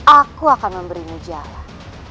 aku akan memberimu jalan